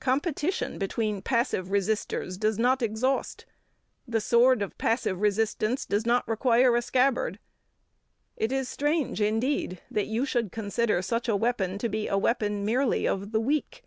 Competition between passive resisters does not exhaust. The sword of passive resistance does not require a scabbard. It is strange indeed that you should consider such a weapon to be a weapon merely of the weak.